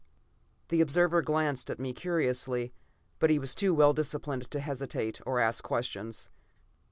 The observer glanced at me curiously, but he was too well disciplined to hesitate or ask questions.